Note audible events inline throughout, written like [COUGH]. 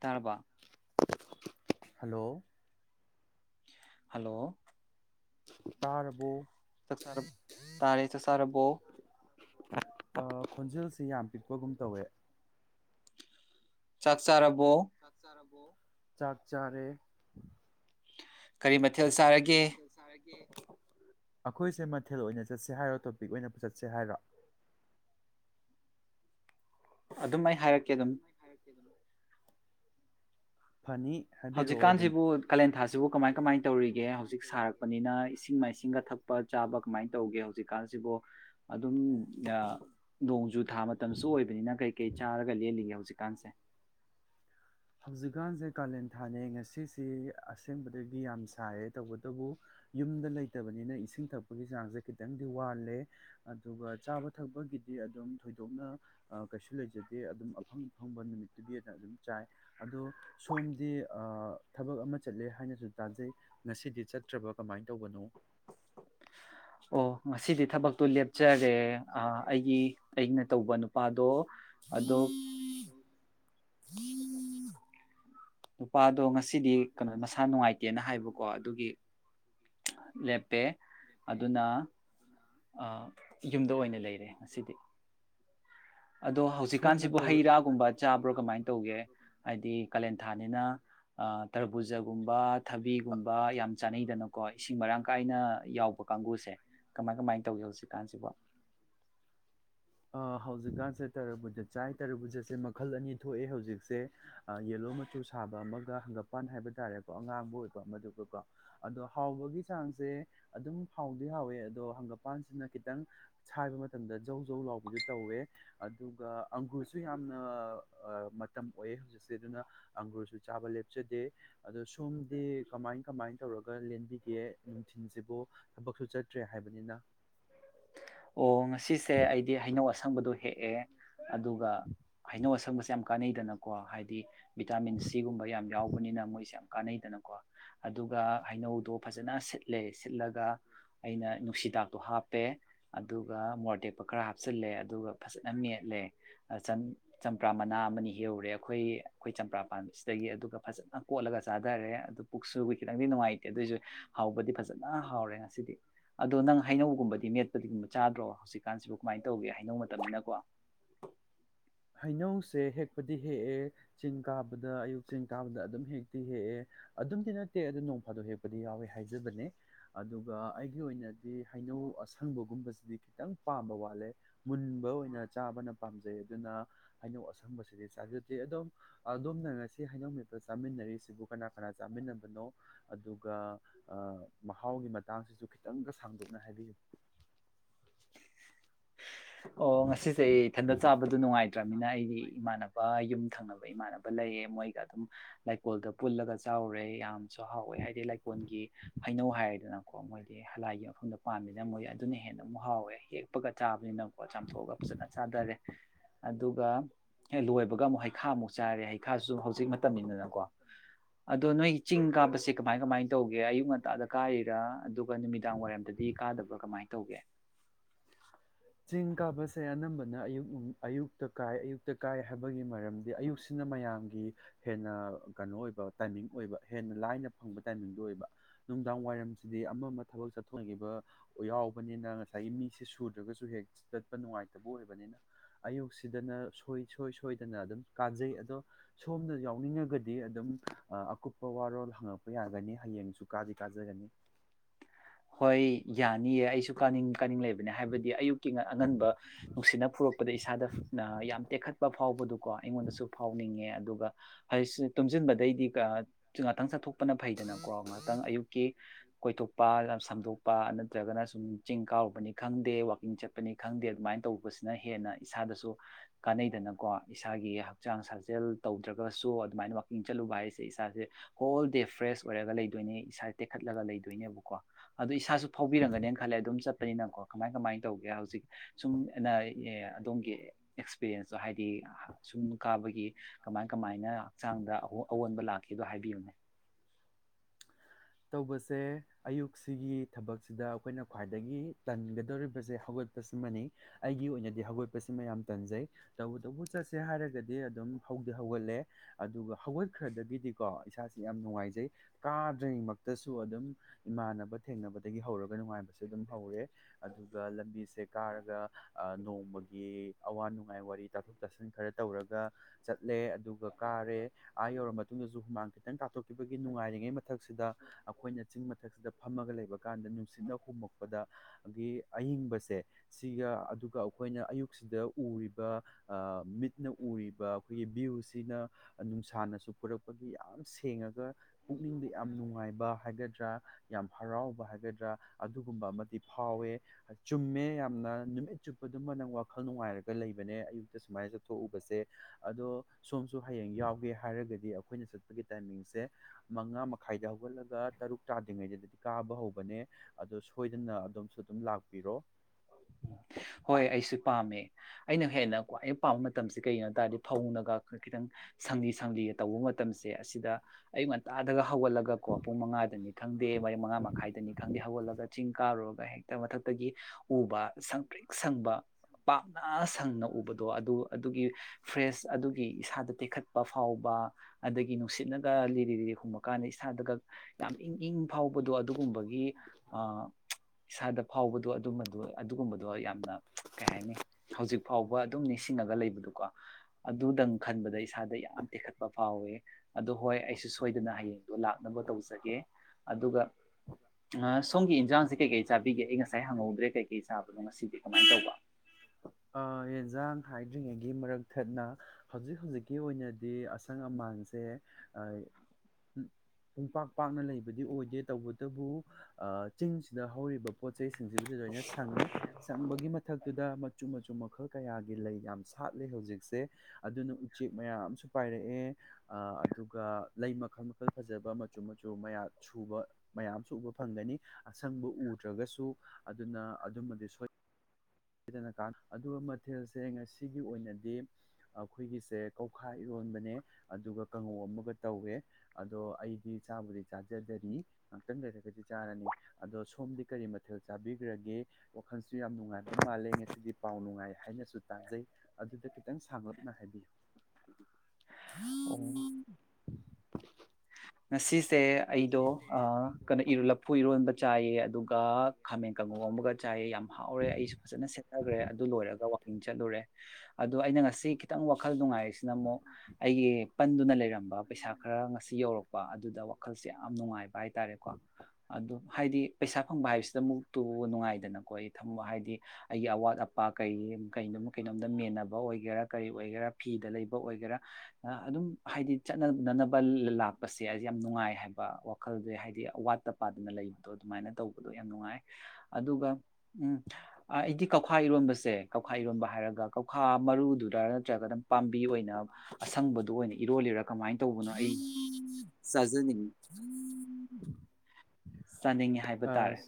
ꯇꯥꯔꯕꯥ hello hello ꯇꯥꯔꯕꯣ ꯁꯛꯁꯔ ꯇꯥꯔ ꯆꯛꯁꯥꯔꯕꯣ ꯈꯣꯟꯖꯦꯜꯁꯤ ꯌꯥꯝ ꯄꯤꯛꯄꯒꯨꯝ ꯇꯧꯋꯦ ꯁꯛꯁ ꯑꯔꯔꯕ ꯆꯠꯁꯥꯔ ꯆꯥꯛ ꯆꯥꯔꯦ ꯀꯔꯤ ꯃ ꯀꯔꯤ ꯃꯊꯦꯜ ꯆꯥꯔꯒꯦ ꯑꯩꯈꯣꯏꯁꯦ ꯃꯊꯦꯜ ꯑꯣꯏꯅ ꯆꯠꯁꯦ ꯍꯥꯏꯔꯣ ꯇꯣꯄꯤꯛ ꯑꯣꯏꯅ ꯆꯠꯁꯦ ꯍꯥꯏꯔꯣ ꯑꯗꯨꯝ ꯑꯩ ꯍꯥꯏꯔꯛꯀꯦ ꯑꯗꯨꯝ [INAUDIBLE] ꯍꯥꯏꯕꯤꯔꯛꯑꯣ ꯑꯗꯨꯝ ꯍꯧꯖꯤꯛꯀꯥꯟꯁꯤꯕꯨ ꯀꯥꯂꯦꯟꯊꯥꯁꯤꯕꯨ ꯀꯃꯥꯏ ꯀꯃꯥꯏꯅ ꯇꯧꯔꯤꯒꯦ ꯍꯧꯖꯤꯛ ꯁꯥꯔꯛꯄꯅꯤꯅ ꯏꯁꯤꯡ ꯃꯥꯏꯁꯤꯡꯒ ꯊꯛꯄ ꯆꯥꯕ ꯀꯃꯥꯏꯅ ꯇꯧꯒꯦ ꯍꯧꯖꯤꯛꯀꯥꯟꯁꯤꯕꯨ ꯑꯗꯨꯝ ꯅꯣꯡꯖꯨ ꯊꯥ ꯃꯇꯝꯁꯨ ꯑꯣꯏꯕꯅꯤꯅ ꯀꯩ ꯀꯩ ꯆꯥꯔꯒ ꯂꯦꯜꯂꯤꯒꯦ ꯍꯧꯖꯤꯛ ꯀꯥꯟꯁꯦ ꯍꯧꯖꯤꯛꯀꯥꯟꯁꯦ ꯀꯥꯂꯦꯟ ꯊꯥꯅꯦ ꯉꯁꯤꯁꯤ ꯑꯁꯦꯡꯕꯗꯒꯤ ꯌꯥꯝ ꯁꯥꯏꯌꯦ ꯇꯧꯕꯇꯕꯨ ꯌꯨꯝꯗ ꯂꯩꯇꯕꯅꯤꯅ ꯏꯁꯤꯡ ꯊꯛꯄꯒꯤ ꯆꯥꯡꯁꯦ ꯈꯤꯇꯪꯗꯤ ꯋꯥꯠꯂꯦ ꯑꯗꯨꯒ ꯆꯥꯕ ꯊꯛꯄꯒꯤꯗꯤ ꯑꯗꯨꯝ ꯊꯣꯏꯗꯣꯛꯅ ꯀꯩꯁꯨ ꯂꯩꯖꯗꯦ ꯑꯗꯨꯝ ꯑꯐꯪ ꯑꯐꯪꯕ ꯅꯨꯃꯤꯠꯇꯨꯒꯤꯅ ꯑꯗꯨꯝ ꯆꯥꯏ ꯑꯗꯣ ꯁꯣꯝꯗꯤ ꯊꯕꯛ ꯑꯃ ꯆꯠꯂꯦ ꯍꯥꯏꯅꯁꯨ ꯇꯥꯖꯩ ꯉꯁꯤꯗꯤ ꯆꯠꯇ꯭ꯔꯕ ꯀꯃꯥꯏꯅ ꯇꯧꯕꯅꯣ ꯑꯣ ꯉꯁꯤꯗꯤ ꯊꯕꯛꯇꯣ ꯂꯦꯞꯆꯔꯦ ꯑꯩꯒꯤ ꯑꯩꯅ ꯇꯧꯕ ꯅꯨꯄꯥꯗꯣ ꯑꯗꯣ ꯄꯥꯥꯗꯣ ꯉ ꯉꯗꯤ ꯀꯩꯅꯣ ꯃꯁꯥ ꯅꯨꯡꯉꯥꯏꯇꯦꯅ ꯍꯥꯏꯕꯀꯣ ꯑꯗꯨꯒꯤ ꯂꯦꯞꯄꯦ ꯑꯗꯨꯅ ꯌꯨꯝꯗ ꯑꯣꯏꯅ ꯂꯩꯔꯦ ꯉꯁꯤꯗꯤ ꯑꯗꯣ ꯁꯣꯝꯅ ꯍꯧꯖꯤꯛꯀꯥꯟꯁꯤꯕꯨ ꯍꯩ ꯇꯧꯔ ꯔꯥꯒꯨꯝꯕ ꯆꯥꯕ꯭ꯔꯣ ꯀꯃꯥꯏꯅ ꯇꯧꯒꯦ ꯍꯥꯏꯗꯤ ꯀꯥꯂꯦꯟꯊꯥꯅꯤꯅ ꯇꯔꯕꯨꯖꯒꯨꯝꯕ ꯊꯕꯤꯒꯨꯝꯕ ꯌꯥꯝ ꯆꯥꯅꯩꯗꯅꯀꯣ ꯏꯁꯤꯡ ꯃꯔꯥꯡ ꯀꯥꯏꯅ ꯌꯥꯎꯕ ꯀꯥꯡꯒꯨꯁꯦ ꯀꯃꯥꯏ ꯀꯃꯥꯏꯅ ꯇꯧꯒꯦ ꯍꯧꯖꯤꯛ ꯀꯥꯟꯁꯤꯕꯣ ꯍꯧꯖꯤꯛꯀꯥꯟꯁꯦ ꯇꯔꯕꯨꯖꯠ ꯆꯥꯏ ꯇꯔꯕꯨꯖꯠꯁꯦ ꯃꯈꯜ ꯑꯅꯤ ꯊꯣꯛꯑꯦ ꯍꯧꯖꯤꯛꯁꯦ ꯌꯦꯜꯂꯣ ꯃꯆꯨ ꯁꯥꯕ ꯑꯃꯒ ꯍꯪꯒꯄꯥꯟ ꯍꯥꯏꯕ ꯇꯥꯔꯦꯀꯣ ꯑꯉꯥꯡꯕ ꯑꯣꯏꯕ ꯑꯃꯗꯨꯒꯀꯣ ꯑꯗꯣ ꯍꯥꯎꯕꯒꯤ ꯆꯥꯡꯁꯦ ꯑꯗꯨꯝ ꯍꯥꯎꯗꯤ ꯍꯥꯎꯋꯦ ꯑꯗꯣ ꯍꯪꯒꯄꯥꯟꯁꯤꯅ ꯈꯤꯇꯪ ꯁꯥꯕ ꯃꯇꯝꯗ ꯖꯧ ꯖꯧ ꯂꯥꯎ ꯇꯧꯋꯦ ꯑꯗꯨꯒ ꯑꯪꯒ꯭ꯔꯨꯁꯨ ꯌꯥꯝꯅ ꯃꯇꯝ ꯑꯣꯏ ꯍꯧꯖꯤꯛꯁꯦ ꯑꯗꯨꯅ ꯑꯪꯒ꯭ꯔꯨꯔꯁꯨ ꯆꯥꯕ ꯂꯦꯞꯆꯗꯦ ꯑꯗꯣ ꯁꯣꯝꯗꯤ ꯀꯃꯥꯏ ꯀꯃꯥꯏꯅ ꯇꯧꯔꯒ ꯂꯦꯟꯕꯤꯒꯦ ꯅꯨꯡꯊꯤꯤꯟꯁꯤꯕꯨ ꯊꯕꯛꯁꯨ ꯆꯠꯇ꯭ꯔꯦ ꯍꯥꯏꯕꯅꯤꯅ ꯑꯣ ꯑꯁꯤꯁꯦ ꯑꯩꯗꯤ ꯍꯩꯅꯧ ꯑꯁꯪꯕꯗꯣ ꯍꯦꯛꯑꯦ ꯑꯗꯨꯒ ꯍꯩꯅꯧ ꯑꯁꯪꯕꯁꯦ ꯌꯥꯝ ꯀꯥꯟꯅꯩꯗꯅꯀꯣ ꯍꯥꯏꯗꯤ ꯚꯤꯇꯥꯃꯤꯟ ꯁꯤꯒꯨꯝꯕ ꯌꯥꯝ ꯌꯥꯎꯕꯅꯤꯅ ꯃꯣꯏꯁꯦ ꯀꯥꯟꯅꯩꯗꯅꯀꯣ ꯑꯗꯨꯒ ꯍꯩꯅꯧꯗꯣ ꯐꯖꯅ ꯁꯤꯠꯂꯦ, ꯁꯤꯠꯂꯒ ꯑꯩꯅ ꯅꯨꯡꯁꯤꯗꯥꯛꯇꯣ ꯍꯥꯞꯄꯦ ꯑꯗꯨꯒ ꯃꯣꯔ ꯇꯦꯛꯄ ꯈꯔ ꯍꯥꯞꯆꯤꯜꯂꯦ ꯑꯗꯨꯒ ꯐꯖꯅ ꯃꯦꯠꯂꯦ ꯆꯝꯄ꯭ꯔꯥ ꯃꯅꯥ ꯑꯃꯅꯤ ꯍꯦꯍꯧꯔꯦ ꯑꯩꯈꯣꯏ ꯑꯩꯈꯣꯏ ꯆꯝꯄ꯭ꯔꯥ ꯄꯥꯟꯕꯁꯤꯗꯒꯤ ꯑꯗꯨꯒ ꯐꯖꯅ ꯀꯣꯠꯂꯒ ꯆꯥꯊꯔꯦ ꯑꯗꯨ ꯄꯨꯛꯁꯨꯕ ꯈꯤꯇꯪꯗꯤ ꯅꯨꯡꯉꯥꯏꯇꯦ ꯑꯗꯨꯑꯣꯏꯁꯨ ꯍꯥꯎꯕꯗꯤ ꯐꯖꯅ ꯍꯥꯎꯔꯦ ꯉꯁꯤꯗꯤ ꯑꯗꯣ ꯅꯪ ꯍꯩꯅꯧꯒꯕꯗꯤ ꯃꯦꯠ ꯀꯔꯤꯒꯨꯝꯕ ꯆꯥꯗ꯭ꯔꯣ ꯍꯧꯖꯤꯛꯀꯥꯟꯁꯤꯕꯨ ꯀꯃꯥꯏꯅ ꯇꯧꯒꯦ ꯍꯥꯏꯩꯅꯧ ꯃꯇꯝꯅꯤꯅꯀꯣ꯫ ꯍꯩꯅꯧꯁꯦ ꯍꯦꯛꯄꯗꯤ ꯍꯦꯛꯑꯦ ꯆꯤꯡ ꯀꯥꯕꯗ ꯑꯌꯨꯛ ꯆꯤꯡ ꯀꯥꯕꯗ ꯑꯗꯨꯝ ꯍꯦꯛꯇꯤ ꯍꯦꯛꯑꯦ ꯑꯗꯨꯝꯗꯤ ꯅꯠꯇꯦ ꯑꯗꯨ ꯅꯣꯡ ꯐꯥꯗꯣꯛ ꯍꯦꯛꯄꯗꯤ ꯌꯥꯎꯋꯦ ꯍꯥꯏꯖꯕꯅꯦ ꯑꯗꯨꯒ ꯑꯩꯒꯤ ꯑꯣꯏꯅꯗꯤ ꯍꯩꯅꯧ ꯑꯁꯪꯕꯒꯨꯝꯕꯁꯤꯗꯤ ꯈꯤꯇꯪ ꯄꯥꯝꯕ ꯋꯥꯠꯂꯦ ꯃꯨꯟꯕ ꯑꯣꯏꯅ ꯆꯥꯕꯅ ꯄꯥꯝꯖꯩ ꯑꯗꯨꯅ ꯍꯩꯅꯧ ꯑꯁꯪꯕꯁꯤꯗꯤ ꯆꯥꯖꯗꯦ ꯑꯗꯣ ꯑꯗꯣꯝꯅ ꯉꯁꯤ ꯍꯩꯅꯧ ꯃꯤꯄ ꯆꯥꯃꯤꯟꯅꯔꯤꯁꯤꯕꯨ ꯀꯅꯥ- ꯀꯅꯥ ꯆꯥꯃꯤꯟꯅꯕꯅꯣ ꯑꯗꯨꯒ ꯃꯍꯥꯎꯒꯤ ꯃꯇꯥꯡꯁꯤꯁꯨ ꯈꯤꯇꯪꯒ ꯁꯥꯡꯗꯣꯛꯅ ꯍꯥꯏꯕꯤꯌꯨ꯫ ꯑꯣ ꯉꯁꯤꯁꯦ ꯑꯩ ꯏꯊꯟꯗ ꯆꯥꯕꯗꯨꯣ ꯅꯨꯡꯉꯥꯏꯇ꯭ꯔꯕꯅꯤꯅ ꯑꯩꯒꯤ ꯏꯃꯥꯟꯅꯕ ꯌꯨꯝ ꯊꯪꯅꯕ ꯏꯃꯥꯟꯅꯕ ꯂꯩꯌꯦ ꯃꯣꯏꯒ ꯑꯗꯨꯝ ꯂꯩꯀꯣꯜꯗ ꯄꯨꯜꯂꯒ ꯆꯥꯎꯔꯦ ꯌꯥꯝ ꯍꯥꯎꯋꯦ ꯍꯥꯏꯗꯤ ꯂꯩꯀꯣꯟꯜꯒꯤ ꯍꯩꯅꯧ ꯍꯥꯏꯔꯦꯗꯅ꯫ ꯃꯣꯏꯗꯤ ꯍꯂꯥꯏꯒꯤ ꯃꯐꯝꯗ ꯄꯥꯝꯃꯤꯅ ꯃꯣꯏ ꯑꯗꯨꯅ ꯍꯦꯟꯅ ꯑꯗꯨꯝ ꯍꯥꯎꯋꯦ ꯌꯦꯛꯄꯒ ꯆꯥꯕꯅꯤꯅ꯫ ꯆꯥꯝꯊꯣꯛꯑꯒ ꯐꯖꯅ ꯆꯥꯗꯔꯦ ꯑꯗꯨꯒ ꯑꯦ ꯂꯣꯏꯕꯒ ꯑꯃꯨꯛ ꯍꯩꯈꯥꯃꯨꯛ ꯆꯥꯔꯦ ꯍꯩꯈꯥꯁꯨ ꯍꯧꯖꯤꯛ ꯃꯇꯝꯅꯤꯗꯅꯀꯣ ꯑꯗꯣ ꯅꯣꯏ ꯆꯤꯡ ꯀꯥꯕꯁꯦ ꯀꯃꯥꯏ- ꯀꯃꯥꯏ ꯇꯧꯒꯦ ꯑꯌꯨꯛ ꯉꯟꯇꯥꯗ ꯀꯥꯔꯤꯔꯥ ꯑꯗꯨꯒ ꯅꯨꯃꯤꯗꯥꯡ ꯋꯥꯏꯔꯝꯗꯗꯤ ꯀꯥꯗꯕ꯭ꯔꯥ ꯀꯃꯥꯏꯅ ꯇꯧꯒꯦ? ꯑꯁꯦ ꯑꯅꯝꯕꯅ ꯑꯌꯨꯛ ꯑꯌꯨꯛꯇ ꯀꯥꯏ ꯑꯌꯨꯛꯇ ꯀꯥꯏ ꯍꯥꯏꯕꯒꯤ ꯃꯔꯝ ꯑꯩ ꯑꯌꯨꯛꯁꯤꯅ ꯃꯌꯥꯝꯒꯤ ꯍꯦꯟꯅ ꯀꯩꯅꯣ ꯑꯣꯏꯕ ꯇꯥꯏꯃꯤꯡ ꯑꯣꯏꯕ ꯍꯦꯟꯅ ꯂꯥꯏꯅ ꯐꯪꯕ ꯇꯥꯏꯃꯤꯡꯗꯨꯣ ꯑꯣꯏꯕ ꯅꯨꯡꯗꯥꯡ ꯋꯥꯏꯔꯝꯁꯤꯗꯤ ꯑꯃ- ꯑꯃ ꯊꯕꯛ ꯆꯠꯊꯣꯛꯈꯤꯕ ꯌꯥꯎꯕꯅꯤꯅ ꯉꯁꯥꯏꯒꯤ ꯃꯤꯁꯦ ꯁꯨꯗ꯭ꯔꯒꯁꯨ ꯍꯦꯛ ꯆꯠꯄ ꯅꯨꯡꯉꯥꯏꯇꯕ ꯑꯣꯏꯕꯅꯤꯅ ꯑꯌꯨꯛꯁꯤꯗꯅ ꯁꯣꯏꯁꯣꯏ ꯁꯣꯏꯗꯅ ꯑꯗꯨꯝ ꯀꯥꯖꯩ ꯑꯗꯣ ꯁꯣꯝꯅ ꯌꯥꯎꯅꯤꯡꯉꯒꯗꯤ ꯑꯗꯨꯝ ꯑꯀꯨꯞꯄ ꯋꯥꯔꯣꯜ ꯍꯪꯉꯛꯄ ꯌꯥꯒꯅꯤ ꯍꯌꯦꯡꯁꯨ ꯀꯥꯗꯤ ꯀꯥꯖꯒꯅꯤ꯫ ꯍꯣꯏ ꯌꯥꯅꯤꯌꯦ ꯑꯩꯁꯨ ꯀꯥꯅꯤꯡ - ꯀꯥꯅꯤꯡ ꯂꯩꯕꯅꯦ ꯍꯥꯏꯕꯗꯤ ꯑꯌꯨꯛ ꯑꯉꯟꯕ ꯅꯨꯡꯁꯤꯠꯅ ꯐꯨꯔꯛꯄꯗ ꯏꯁꯥꯗ ꯌꯥꯝ ꯇꯦꯛꯈꯠꯄ ꯐꯥꯎꯕꯗꯨ꯫ ꯀꯣ ꯑꯩꯉꯣꯟꯗꯁꯨ ꯐꯥꯎꯅꯤꯡꯉꯦ꯫ ꯑꯗꯨꯒ ꯍꯧ ꯇꯨꯝꯖꯤꯟꯕꯗꯩꯗꯤ ꯉꯥꯛꯇꯪ ꯆꯠꯊꯣꯛꯄꯅ ꯐꯩꯗꯅꯀꯣ ꯉꯍꯥꯛꯇꯪ ꯑꯌꯨꯛꯀꯤ ꯀꯣꯏꯊꯣꯛꯄ ꯁꯝꯗꯣꯛꯄ ꯅꯠꯇ꯭ꯔꯒꯅ ꯁꯨꯝ ꯆꯤꯡ ꯀꯥꯎꯔꯨꯕꯅꯤ ꯈꯪꯗꯦ ꯋꯥꯀꯤꯡ ꯆꯠꯄꯅꯤ ꯈꯪꯗꯦ ꯑꯗꯨꯃꯥꯏꯅ ꯇꯧꯕꯁꯤꯅ ꯍꯦꯟꯅ ꯏꯁꯥꯗꯁꯨ ꯀꯥꯟꯅꯩꯗꯅꯀꯣ ꯏꯁꯥꯒꯤ ꯍꯛꯆꯥꯡ ꯁꯥꯖꯦꯜ ꯇꯧꯗ꯭ꯔꯒꯁꯨ ꯑꯗꯨꯃꯥꯏꯅ ꯋꯥꯀꯤꯡ ꯆꯠꯂꯨꯕ ꯍꯥꯏꯁꯦ ꯏꯁꯥꯁꯦ ꯍꯣꯜ ꯗꯦ ꯐ꯭ꯔꯦꯁ ꯑꯣꯏꯔꯒ ꯂꯩꯗꯣꯏꯅꯦ ꯏꯁꯥꯦ ꯇꯦꯛꯈꯠꯂꯒ ꯂꯩꯗꯣꯏꯅꯦꯕꯀꯣ꯫ ꯑꯗꯨ ꯏꯁꯥꯁꯨ ꯐꯥꯎꯕꯤꯔꯝꯒꯅꯦꯅ ꯈꯜꯂꯦ ꯑꯗꯨꯝ ꯆꯠꯄꯅꯤꯅꯀꯣ꯫ ꯀꯃꯥꯏ - ꯀꯃꯥꯏꯅ ꯇꯧꯒꯦ ꯍꯧꯖꯤꯛ ꯁꯨꯝ ꯑꯗꯣꯝꯒꯤ ꯑꯦꯛꯁꯄꯤꯔꯟꯁꯇꯣ ꯍꯥꯏꯗꯤ ꯁꯨꯝ ꯀꯥꯕꯒꯤ ꯀꯃꯥꯏ- ꯀꯃꯥꯏꯅ ꯍꯛꯆꯥꯡꯗ ꯑꯑꯣꯟꯕ ꯂꯥꯛꯀꯗꯣ ꯍꯥꯏꯕꯤꯌꯨꯅꯦ꯫ ꯇꯧꯕꯁꯦ ꯑꯌꯨꯛꯁꯤꯒꯤ ꯊꯕꯛꯁꯤꯗ ꯑꯩꯈꯣꯏꯅ ꯈ꯭ꯋꯥꯏꯗꯒꯤ ꯇꯟꯒꯗꯧꯔꯤꯕꯁꯦ ꯍꯧꯒꯠꯄꯁꯤꯃꯅꯤ ꯑꯩꯒꯤ ꯑꯣꯏꯅꯗꯤ ꯍꯧꯒꯠꯄꯁꯤꯃ ꯌꯥꯝ ꯇꯟꯖꯩ ꯇꯧꯕꯇꯕꯨ ꯆꯠꯁꯦ ꯍꯥꯏꯔꯒꯗꯤ ꯑꯗꯨꯝ ꯍꯧꯗꯤ ꯍꯧꯒꯠꯂꯦ ꯑꯗꯨꯒ ꯍꯧꯒꯠꯈ꯭ꯔꯗꯒꯤꯗꯤꯀꯣ ꯏꯁꯥꯥꯁꯦ ꯌꯥꯝ ꯅꯨꯡꯉꯥꯏꯖꯩ ꯀꯥꯗ꯭ꯔꯤ ꯇꯁꯨ ꯑꯗꯨꯝ ꯏꯃꯥꯟꯅꯕ ꯊꯦꯡꯅꯕꯗꯒꯤ ꯍꯧꯔꯒ ꯅꯨꯡꯉꯥꯏꯕꯁꯨ ꯑꯗꯨꯝ ꯍꯧꯔꯦ ꯑꯗꯨꯒ ꯂꯝꯕꯤꯁꯦ ꯀꯥꯔꯒ ꯅꯣꯡꯃꯒꯤ ꯑꯋꯥ - ꯅꯨꯡꯉꯥꯏ ꯋꯥꯔꯤ ꯇꯥꯊꯣꯛ ꯇꯥꯁꯤꯟ ꯈꯔ ꯇꯧꯔꯒ ꯆꯠꯂꯦ ꯑꯗꯨꯒ ꯀꯥꯔꯦ ꯑꯥ ꯌꯧꯔ ꯃꯇꯨꯡꯗꯁꯨ ꯍꯨꯃꯥꯡ ꯈꯤꯇꯪ ꯇꯥꯊꯣꯛꯈꯤꯕꯒꯤ ꯅꯨꯡꯉꯥꯏꯔꯤꯉꯩ ꯃꯊꯛꯁꯤꯗ ꯑꯩꯈꯣꯏꯅ ꯆꯤꯡ ꯃꯊꯛꯁꯤꯗ ꯐꯝꯃꯒ ꯂꯩꯕ ꯀꯥꯟꯗ ꯅꯨꯡꯁꯤꯠꯅ ꯍꯣꯃꯛꯄꯗꯗꯒꯤ ꯍꯪꯕꯁꯦ ꯁꯤꯒ ꯑꯗꯨꯒ ꯑꯩꯈꯣꯏꯅ ꯑꯌꯨꯛꯁꯤꯗ ꯎꯔꯤꯕ ꯃꯤꯠꯅ ꯎꯔꯤꯕ ꯑꯩꯈꯣꯏꯒꯤ ꯚ꯭ꯌꯨꯁꯤꯅ ꯅꯨꯡꯁꯥꯅꯁꯨ ꯄꯨꯔꯛꯄꯒꯤ ꯌꯥꯝ ꯁꯦꯡꯉꯒ ꯄꯨꯛꯅꯤꯡꯗ ꯌꯥꯝ ꯅꯨꯡꯉꯥꯏ ꯍꯥꯏꯒꯗ꯭ꯔꯥ ꯌꯥꯝ ꯍꯔꯥꯎꯕ ꯍꯥꯏꯒꯗ꯭ꯔꯥ ꯑꯗꯨꯒꯨꯝꯕ ꯑꯃꯗꯤ ꯐꯥꯎꯋꯦ ꯆꯨꯝꯃꯦ ꯌꯥꯝꯅ ꯅꯨꯃꯤꯠꯆꯨꯞ ꯑꯗꯨꯝꯕ ꯅꯪ ꯋꯥꯈꯜ ꯅꯨꯡꯉꯥꯏꯔꯒ ꯂꯩꯕꯅꯦ ꯑꯌꯨꯛꯇ ꯁꯨꯃꯥꯏꯅ ꯆꯠꯊꯣꯛꯎꯕꯁꯦ ꯑꯗꯣ ꯁꯣꯝꯁꯨ ꯍꯌꯦꯡ ꯌꯥꯎꯒꯦ ꯍꯥꯏꯔꯒꯗꯤ ꯑꯩꯈꯣꯏꯅ ꯆꯠꯄꯒꯤ ꯇꯥꯏꯃꯤꯡꯁꯦ ꯃꯉꯥ ꯃꯈꯥꯏꯗ ꯍꯧꯒꯠꯂꯒ ꯇꯔꯨꯛ ꯇꯥꯗ꯭ꯔꯤꯉꯩꯗꯗꯤ ꯀꯥꯕ ꯍꯧꯕꯅꯦ ꯑꯗꯨꯣ ꯁꯣꯏꯗꯅ ꯑꯗꯨꯝꯁꯨ ꯑꯗꯨꯝ ꯂꯥꯛꯄꯤꯔꯣ ꯎ ꯍꯣꯏ ꯑꯩꯁꯨ ꯄꯥꯝꯃꯦ ꯑꯩꯅ ꯍꯦꯟꯅ ꯈ꯭ꯋꯥꯏ ꯑꯩꯅ ꯄꯥꯝꯕ ꯃꯇꯝꯁꯤꯗ ꯁꯤ ꯀꯩꯅꯣ ꯍꯥꯏ ꯇꯥꯔꯗꯤ ꯐꯧꯅꯒ ꯈꯤꯇꯪ ꯁꯪꯂꯤ ꯁꯪꯂꯤꯒ ꯇꯧꯕ ꯃꯇꯝꯁꯦ ꯑꯁꯤꯗ ꯑꯌꯨꯛ ꯉꯟꯇꯥꯗꯒ ꯍꯧꯒꯠꯂꯒ ꯀꯣ ꯄꯨꯡ ꯃꯉꯥꯗꯅꯤ ꯈꯪꯗꯦ ꯃ ꯃꯉꯥ ꯃꯈꯥꯏꯗꯅꯤ ꯈꯪꯗꯦ ꯍꯧꯒꯠꯂꯒ ꯆꯤꯡ ꯀꯥꯔꯨꯔꯒ ꯍꯦꯛꯇ ꯃꯊꯛꯇꯒꯤ ꯎꯕ ꯁꯪ ꯄ꯭ꯔꯤꯛ ꯁꯪꯕ ꯄꯥꯞꯅ ꯁꯪꯅ ꯎꯕꯗꯣ ꯑꯗꯨ ꯑꯗꯨꯒꯤ ꯐ꯭ꯔꯦꯁ ꯑꯗꯨꯒꯤ ꯏꯁꯥꯗ ꯇꯦꯛꯈꯠꯄ ꯐꯥꯎꯕ ꯑꯗꯒꯤ ꯅꯨꯡꯁꯤꯠꯅꯒ ꯂꯤꯔꯤ ꯂꯤꯔꯤ ꯍꯨꯝꯕꯀꯥꯟꯗ ꯏꯁꯥꯗꯒ ꯌꯥꯝ ꯏꯪ ꯏꯪ ꯐꯥꯎꯕꯗꯣ ꯑꯗꯨꯒꯨꯝꯕꯒꯤ ꯏꯁꯥꯗ ꯐꯥꯎꯕꯗꯣ ꯑꯗꯨ ꯑꯃꯅꯤꯅꯤ ꯑꯗꯨ ꯑꯗꯨꯒꯨꯝꯕꯗꯣ ꯌꯥꯝꯅ ꯀꯩ ꯍꯥꯏꯅꯤ ꯍꯧꯖꯤꯛ ꯐꯥꯎꯕ ꯑꯗꯨꯝ ꯅꯤꯡꯁꯤꯡꯉꯒ ꯂꯩꯕꯗꯨꯀꯣ ꯑꯗꯨꯗꯪ ꯈꯟꯕꯗ ꯏꯁꯥꯗ ꯌꯥꯝ ꯇꯦꯛꯈꯠꯄ ꯐꯥꯎꯋꯦ ꯑꯗꯣ ꯍꯣꯏ ꯑꯩꯁꯨ ꯁꯣꯏꯗꯅ ꯍꯌꯦꯡꯗꯣ ꯂꯥꯛꯅꯕ ꯇꯧꯖꯒꯦ ꯑꯗꯨꯒ ꯁꯣꯝꯒꯤ ꯏꯟꯁꯥꯡꯁꯦ ꯀꯩ ꯀꯩ ꯆꯕꯤꯦ ꯉꯥꯏ ꯍꯪꯍꯧꯗ꯭ꯔꯦ ꯀꯩ ꯆꯥꯕꯗꯣ ꯉꯁꯤꯗꯤ ꯀꯃꯥꯏꯅ ꯇꯧꯕ ꯑꯦꯟꯁꯥꯡ ꯍꯥꯏꯗ꯭ꯔꯤꯉꯩꯒꯤ ꯃꯔꯛ ꯊꯠꯅ ꯍꯧꯖꯤꯛ ꯍꯧꯖꯤꯛꯀꯤ ꯑꯣꯏꯅꯗꯤ ꯑꯁꯪ ꯑꯃꯥꯟꯁꯦ ꯄꯨꯡ ꯄꯥꯛ ꯄꯥꯛꯅ ꯂꯩꯕꯗꯤ ꯑꯣꯏꯗꯦ ꯇꯧꯕꯇꯕꯨ ꯆꯤꯡ ꯁꯤꯗ ꯍꯧꯔꯤꯕ ꯄꯣꯠ ꯁꯤꯡꯁꯤꯕꯨꯗꯤ ꯂꯣꯏꯅ ꯁꯪꯉꯦ ꯆꯪꯕꯒꯤ ꯃꯊꯛꯇꯨꯗ ꯃꯆꯨ ꯃꯆꯨ ꯃꯈꯜ ꯀꯌꯥꯒꯤ ꯂꯩ ꯌꯥꯝ ꯁꯥꯠꯂꯦ ꯍꯧꯖꯤꯛꯁꯦ ꯑꯗꯨꯅ ꯎꯆꯦꯛ ꯃꯌꯥꯝꯁꯨ ꯄꯥꯏꯔꯛꯑꯦ ꯑꯗꯨꯒ ꯂꯩ ꯃꯈꯜ ꯃꯈꯜ ꯐꯖꯕ ꯃꯆꯨ ꯃꯆꯨ ꯃꯌꯥꯝ ꯁꯨꯕ ꯃꯌꯥꯝꯁꯨ ꯎꯕ ꯐꯪꯒꯅꯤ ꯑꯁꯪꯕ ꯎꯗ꯭ꯔꯒꯁꯨ ꯑꯗꯨꯅ ꯑꯗꯨꯃꯗꯤ ꯁꯣꯏ ꯗꯅꯀ ꯑꯗꯨꯒ ꯃꯊꯦꯜꯁꯦ ꯉꯁꯤꯒꯤ ꯑꯣꯏꯅꯗꯤ ꯑꯩꯈꯣꯏꯒꯤꯁꯦ ꯀꯧꯈꯥ ꯏꯔꯣꯟꯕꯅꯦ ꯑꯗꯨꯒ ꯀꯥꯡꯉꯧ ꯑꯃꯒ ꯇꯧꯋꯦ ꯑꯗꯣ ꯑꯩꯗꯤ ꯆꯥꯕꯨꯗꯤ ꯆꯥꯖꯗꯔꯤ ꯉꯥꯛꯇꯪ ꯂꯩꯔꯒꯗꯤ ꯆꯥꯔꯅꯤ ꯑꯗꯣ ꯁꯣꯝꯗꯤ ꯀꯔꯤ ꯃꯊꯦꯜ ꯆꯥꯕꯤꯈ꯭ꯔꯒꯦ ꯋꯥꯈꯜꯁꯨ ꯌꯥꯝ ꯅꯨꯡꯉꯥꯏ ꯃꯥꯜꯂꯦ ꯉꯁꯤꯗꯤ ꯄꯥꯎ ꯅꯨꯡꯉꯥꯏ ꯍꯥꯏꯅꯁꯨ ꯇꯥꯖꯩ ꯑꯗꯨꯗ ꯈꯤꯇꯪ ꯁꯥꯡꯂꯞꯅ ꯍꯥꯏꯕꯤꯌꯨ ꯎꯝ ꯅꯁꯤꯁꯦ ꯑꯩꯗꯣ ꯀꯩꯅꯣ ꯂꯐꯨ ꯏꯔꯣꯟꯕ ꯆꯥꯏꯑ ꯑꯗꯨꯒ ꯈꯥꯃꯦꯟ ꯀꯥꯡꯉꯨ ꯑꯃꯒ ꯆꯥꯏꯌꯦ ꯌꯥꯝ ꯍꯥꯎꯔꯦ ꯑꯩꯁꯨ ꯐꯖꯅ ꯁꯦꯠꯊꯈ꯭ꯔꯦ ꯑꯗꯨ ꯂꯣꯏꯔꯒ ꯆꯠꯂꯨꯔꯦ ꯑꯗꯣ ꯑꯩꯅ ꯉꯁꯤ ꯈꯤꯇꯪ ꯋꯥꯈꯜ ꯅꯨꯡꯉꯥꯏꯔꯤꯁꯤꯅ ꯑꯃꯨꯛ ꯑꯩꯒꯤ ꯄꯟꯗꯨꯅ ꯂꯩꯔꯝꯕ ꯄꯩꯁꯥ ꯈꯔ ꯉꯁꯤ ꯌꯧꯔꯛꯄ ꯑꯗꯨꯗ ꯋꯥꯈꯜꯁꯦ ꯌꯥꯝ ꯅꯨꯡꯉꯥꯏꯕ ꯍꯥꯏꯇꯥꯔꯦꯀꯣ ꯑꯗꯨ ꯍꯥꯏꯗꯤ ꯄꯩꯁꯥ ꯐꯪꯕ ꯍꯥꯏꯕꯁꯤꯗ ꯑꯃꯨꯛꯇꯨ ꯅꯨꯡꯉꯥꯏꯗꯅꯀꯣ ꯑꯩ ꯊꯃ ꯍꯥꯏꯗꯤ ꯑꯩꯒꯤ ꯑꯋꯥꯠ ꯑꯄꯥ ꯀꯩ ꯀꯣ ꯀꯩꯅꯣꯝꯗ ꯃꯦꯟꯅꯕ ꯑꯣꯏꯒꯦꯔꯥ ꯀꯔꯤ ꯑꯣꯏꯒꯦꯔꯥ ꯐꯤꯗ ꯂꯩꯕ ꯑꯣꯏꯒꯦꯔ ꯑꯗꯨꯝ ꯍꯥꯏꯗꯤ ꯆꯠꯅꯅꯅꯕ ꯂꯥꯛꯄ ꯄꯁꯦ ꯍꯥꯏꯁ ꯌꯥꯝ ꯅꯨꯡꯉꯥꯏ ꯍꯥꯏꯕ ꯋꯥꯈꯜꯁꯦ ꯍꯥꯏꯗꯤ ꯋꯥꯠꯇ ꯄꯥꯗꯅ ꯂꯩꯕꯗꯣ ꯑꯗꯨꯃꯥꯏꯅ ꯇꯧꯕꯗꯣ ꯌꯥꯝ ꯅꯨꯡꯉꯥꯏ ꯑꯗꯨꯒ ꯎꯝ ꯑꯩꯗꯤ ꯀꯧꯈꯥ ꯏꯔꯣꯟꯕꯁꯦ ꯀꯧꯈꯥ ꯏꯔꯣꯟꯕ ꯍꯥꯏꯔꯒ ꯀꯧꯈꯥ ꯃꯔꯨꯗꯨꯗ ꯅꯠꯇ꯭ꯔꯒ ꯑꯗꯨ ꯄꯥꯝꯕꯤ ꯑꯣꯏꯅ ꯑꯁꯪꯕꯗꯨ ꯑꯣꯏꯅ ꯏꯔꯣꯜꯂꯤꯔ ꯀꯃꯥꯏꯅ ꯇꯧꯕꯅꯣ ꯑꯩ ꯆꯖꯅꯤ ꯆꯥꯅꯤꯡꯉꯤ ꯍꯥꯏꯕ ꯑ ꯇꯥꯔꯦ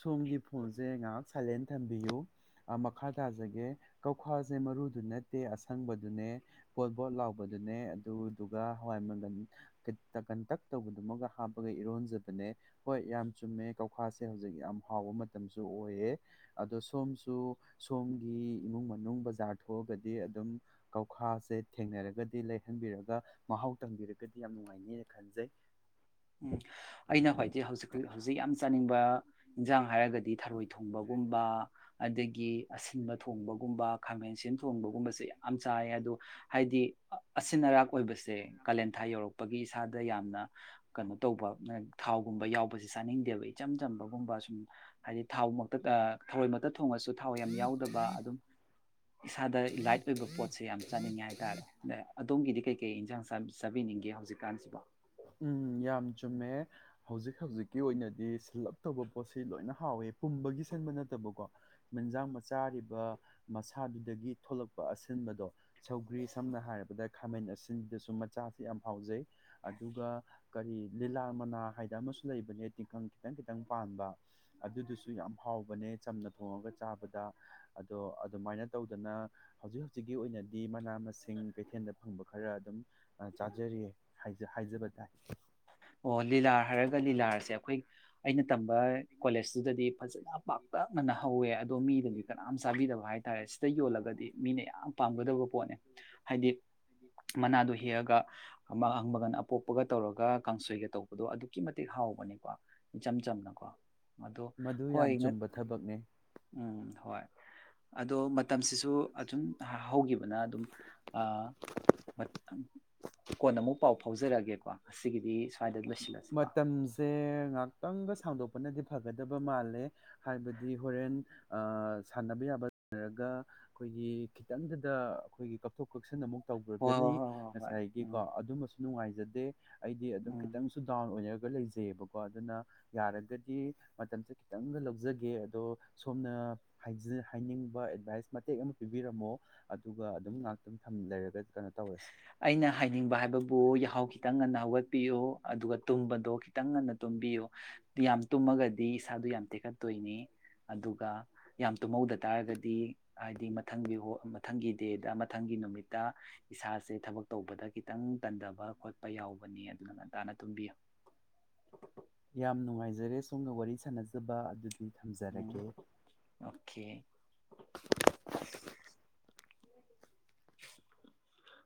ꯁꯣꯝꯒꯤ ꯐꯣꯟꯁꯦ ꯉꯥꯏꯍꯥꯛ ꯁꯥꯏꯂꯦꯟ ꯊꯝꯕꯤꯌꯨ ꯃꯈꯥ ꯇꯥꯖꯒꯦ ꯀꯧꯈꯥꯁꯦ ꯃꯔꯨꯗꯨ ꯅꯠꯇꯦ ꯑꯁꯪꯕꯗꯨꯅꯦ ꯕꯣꯠ ꯕꯣꯠ ꯂꯥꯎꯕꯗꯨꯅꯦ ꯑꯗꯨꯗꯨꯒ ꯍꯋꯥꯏ ꯃꯪꯒꯟ ꯇꯀꯟ ꯇꯛ ꯇꯧꯕꯗꯨꯃꯒ ꯍꯥꯞꯄꯒ ꯏꯔꯣꯟꯖꯕꯅꯦ ꯍꯣꯏ ꯌꯥꯝ ꯆꯨꯝꯃꯦ ꯀꯧꯈꯦ ꯁ ꯍꯧꯖꯤꯛ ꯌꯥꯝ ꯍꯥꯎꯕ ꯃꯇꯝꯁꯨ ꯑꯣꯏꯌꯦ ꯑꯗꯣ ꯁꯣꯝꯁꯨ ꯁꯣꯝꯒꯤ ꯏꯃꯨꯡ ꯃꯅꯨꯡ ꯕꯖꯥꯔ ꯊꯣꯛꯑꯒꯗꯤ ꯑꯗꯨꯝ ꯀꯧꯈꯥꯁꯦ ꯊꯦꯡꯅꯔꯒꯗꯤ ꯂꯩꯍꯟꯕꯤꯔꯒ ꯃꯍꯥꯎ ꯇꯝꯕꯤꯔꯒꯗꯤ ꯌꯥꯝ ꯅꯨꯡꯉꯥꯏꯅꯦꯅ ꯈꯟꯖꯩ ꯎꯝ ꯑꯩꯅ ꯈ꯭ꯋꯥꯏꯗ ꯍꯧꯖꯤꯛ ꯍꯧꯖꯤꯛ ꯌꯥꯝ ꯆꯥꯅꯤꯡꯕ ꯏꯟꯁꯥꯡ ꯍꯥꯏꯔꯒꯗꯤ ꯊꯔꯣꯏ ꯊꯣꯡꯕꯒꯨꯝꯕ ꯑꯗꯒꯤ ꯑꯁꯤꯟꯕ ꯊꯣꯡꯕꯒꯨꯝꯕ ꯈꯥꯃꯦꯟꯁꯤꯌꯝ ꯊꯣꯡꯕꯒꯨꯝꯕꯁꯦ ꯌꯥꯝ ꯆꯥꯏ ꯑꯗꯣ ꯍꯥꯏꯗꯤ ꯑꯁꯤꯟ ꯑꯔꯥꯛ ꯑꯣꯏꯕꯁꯦ ꯀꯥꯂꯦꯟꯊꯥ ꯌꯧꯔꯛꯄꯒꯤ ꯏꯁꯥꯗ ꯌꯥꯝꯅ ꯀꯅꯣ ꯇꯧꯕ ꯊꯥꯎꯒꯨꯝꯕ ꯌꯥꯎꯕꯁꯦ ꯆꯥꯅꯤꯡꯗꯦꯕ ꯏꯆꯝ ꯆꯝꯕꯒꯨꯝꯕ ꯁꯨꯝ ꯍꯥꯏꯗꯤ ꯊꯥꯎ ꯃꯛꯇ ꯊꯔꯣꯏꯃꯛꯇ ꯊꯣꯡꯉꯁꯨ ꯊꯥꯎ ꯌꯥꯝ ꯌꯥꯎꯗꯕ ꯑꯗꯨꯝ ꯏꯁꯥꯗ ꯂꯥꯏꯠ ꯑꯣꯏꯕ ꯄꯣꯠꯁꯦ ꯌꯥꯝ ꯆꯠꯅꯤꯡꯉꯦ ꯍꯥꯏꯇꯥꯔꯦ ꯑꯗꯣꯝꯒꯤꯗꯤ ꯀꯩꯀꯩ ꯏꯟꯖꯥꯡ ꯆꯥꯕꯤꯅꯤꯡꯒꯦ ꯍꯧꯖꯤꯛꯀꯥꯟꯁꯤꯕꯣ ꯎꯝ ꯌꯥꯝ ꯆꯨꯝꯃꯦ ꯍꯧꯖꯤꯛ ꯍꯧꯖꯤꯛꯀꯤ ꯑꯣꯏꯅꯗꯤ ꯁꯤꯜꯂꯞꯇꯧꯕ ꯄꯣꯠꯁꯤ ꯂꯣꯏꯅ ꯍꯥꯎꯋꯦ ꯄꯨꯝꯕꯒꯤ ꯁꯤꯟꯕ ꯅꯠꯇꯕꯀꯣ ꯃꯟꯖꯥꯡ ꯃ ꯆꯥꯔꯤꯕ ꯃꯁꯥꯗꯨꯗꯒꯤ ꯊꯣꯛꯂꯛꯄ ꯑꯁꯤꯟꯕꯗꯣ ꯁꯧꯒ꯭ꯔꯤ ꯁꯝꯅ ꯍꯥꯏꯔꯕꯗ ꯈꯥꯃꯦꯟ ꯑꯁꯤꯟꯕꯁꯨ ꯃꯆꯥꯁꯦ ꯌꯥꯝ ꯍꯥꯎꯖꯩ ꯗꯨꯒ ꯀꯔꯤ ꯂꯤꯂꯥꯔ ꯃꯅꯥ ꯍꯥꯏꯗ ꯑꯃꯁꯨ ꯂꯩꯕꯅꯦ ꯇꯤꯡꯈꯪ ꯈꯤꯇꯪ ꯈꯤꯇꯪ ꯄꯥꯟꯕ ꯑꯗꯨꯗꯨꯁꯨ ꯌꯥꯝ ꯍꯥꯎꯕꯅꯦ ꯆꯝꯅ ꯊꯣꯡꯉꯒ ꯆꯥꯕꯗ ꯑꯗꯣ ꯑꯗꯨꯃꯥꯏꯅ ꯇꯧꯗꯅ ꯍꯧꯖꯤꯛ ꯍꯧꯖꯤꯛꯀꯤ ꯑꯣꯏꯅꯗꯤ ꯃꯅꯥ ꯃꯁꯤꯡ ꯀꯩꯊꯦꯟꯗ ꯐꯪꯕ ꯈꯔ ꯑꯗꯨꯝ ꯆꯥꯖꯔꯤꯌꯦ ꯍꯥꯏꯖ ꯍꯥꯏꯖꯕ ꯇꯥꯏ ꯑꯣ ꯂꯤꯂꯥꯔ ꯍꯥꯏꯔꯒ ꯂꯤꯂꯥꯔꯁꯦ ꯑꯈꯣꯏ ꯇꯝꯕ ꯀꯣꯂꯦꯖꯇꯨꯗꯗꯤ ꯐꯖꯅ ꯄꯥꯛꯇꯛꯅꯅ ꯍꯧꯋꯦ ꯑꯗꯣ ꯃꯤꯗꯗꯤ ꯀꯅꯥꯝ ꯆꯥꯕꯤꯗꯕ ꯍꯥꯏꯇꯥꯔꯦ ꯁꯤꯗ ꯌꯣꯜꯂꯒꯗꯤ ꯃꯤꯅ ꯌꯥꯝ ꯄꯥꯝꯒꯗꯕ ꯄꯣꯠꯅꯦ ꯍꯥꯏꯗꯤ ꯃꯅꯥꯗꯣ ꯍꯦꯛꯑꯒ ꯑꯃ ꯃꯒꯟ ꯑꯄꯣꯞꯄꯒ ꯇꯧꯔꯒ ꯇꯧꯕꯗꯣ ꯑꯗꯨꯛꯀꯤ ꯃꯇꯤꯛ ꯍꯥꯎꯕꯅꯤꯀꯣ ꯏꯆꯝ ꯆꯝꯅ ꯀꯣ ꯑꯗꯣ ꯃꯗꯨ ꯌꯥꯝ ꯍꯣꯏ ꯅꯠ ꯆꯨꯝꯕ ꯊꯕꯛꯅꯦ ꯎꯝ ꯍꯣꯏ ꯑꯗꯣ ꯃꯠ ꯇꯝꯁꯤꯁꯨ ꯑꯗꯨꯝ ꯍꯧꯒꯤꯕꯅ ꯑꯗꯨꯝ ꯑꯥ ꯍꯣꯏ ꯀꯣꯟꯅ ꯃꯨꯛ ꯄꯥꯎ ꯐꯥꯎꯖꯔꯒꯦꯀꯣ [UNINTELLIGIBLE] ꯃꯇꯝꯁꯦ ꯉꯥꯛꯇꯪꯒ ꯁꯥꯡꯗꯣꯛꯄꯅꯗꯤ ꯐꯒꯗꯕ ꯃꯥꯜꯂꯦ ꯍꯥꯏꯕꯗꯤ ꯍꯣꯔꯦꯟ ꯑꯥ ꯁꯥꯟꯅꯕ ꯌꯥꯕ ꯁꯥꯟꯅꯔꯒ ꯑꯈꯣꯏꯒꯤ ꯈꯤꯇꯪꯗꯗ ꯑꯈꯣꯏꯒꯤ ꯀꯛꯊꯣꯛ ꯀꯛꯁꯤꯟ ꯑꯃꯨꯛ ꯍꯣꯏ ꯍꯣꯏ ꯇꯧꯒꯔꯥꯒꯗꯤ ꯍꯣꯏ ꯍꯣꯏ ꯍꯣꯏ ꯉꯁꯥꯏꯒꯤ ꯎꯝ ꯀꯣ ꯑꯗꯨꯝꯕꯁꯨ ꯅꯨꯡꯉꯥꯏ [UNINTELLIGIBLE] ꯑꯩꯗꯤ ꯑꯗꯨꯝ ꯈꯤꯠ ꯎꯝ ꯇꯪꯁꯨ ꯗꯥꯎꯟ ꯑꯣꯏꯔꯛ ꯂꯩꯖꯩꯑꯕꯀꯣ ꯑꯗꯨꯅ ꯌꯥꯔꯒꯗꯤ ꯃꯇꯝꯁꯦ ꯈꯤꯇꯪꯒ ꯂꯧꯖꯒꯦ ꯑꯗꯣ ꯁꯣꯝꯅ ꯍꯥꯏꯖ ꯍꯥꯏꯅꯤꯡꯕ ꯑꯦꯗꯚꯥꯏꯁ ꯃꯇꯦꯛ ꯑꯃ ꯄꯤꯕꯤꯔꯝꯃꯣ ꯑꯗꯨꯒ ꯑꯗꯨꯝ ꯉꯥꯛꯇꯪ ꯊꯝ ꯂꯩꯔꯒ ꯀꯩꯅꯣ ꯇꯧꯔꯁꯤ ꯑꯩꯅ ꯍꯥꯏꯅꯤꯡꯕ ꯍꯥꯏꯕꯕꯨ ꯌꯥꯍꯧ ꯈꯤꯇꯪ ꯉꯟꯅ ꯍꯧꯒꯠ ꯄꯤꯌꯣ ꯑꯗꯨꯒ ꯇꯨꯝꯕꯗꯣ ꯈꯤꯇꯪ ꯉꯟꯅ ꯇꯨꯝꯕꯤꯌꯨ ꯌꯥꯝ ꯇꯨꯝꯃꯒꯗꯤ ꯏꯁꯥꯗꯨ ꯌꯥꯝ ꯇꯦꯛꯈꯠꯇꯣꯏꯅꯦ ꯑꯗꯨꯒ ꯌꯥꯝ ꯇꯨꯝꯍꯧꯗ ꯇꯥꯔꯒꯗꯤ ꯍꯥꯏꯗꯤ ꯃꯊꯪꯒꯤ ꯃꯊꯪꯒꯤ ꯗꯦꯗ ꯃꯊꯪꯒꯤ ꯅꯨꯃꯤꯠꯇ ꯏꯁꯥꯁꯦ ꯊꯕꯛ ꯇꯧꯕꯗ ꯈꯤꯇꯪ ꯇꯟꯗꯕ ꯈꯣꯠꯄ ꯌꯥꯎꯕꯅꯤ ꯑꯗꯨꯅ ꯉꯟꯇꯥꯅ ꯇꯨꯝꯕꯤꯌꯨ ꯌꯥꯝ ꯅꯨꯡꯉꯥꯏꯖꯔꯦ ꯁꯣꯝꯒ ꯋꯥꯔꯤ ꯁꯥꯟꯅꯖꯕ ꯑꯗꯨ ꯎꯝ ꯑꯣꯀꯦ [INAUDIBLE]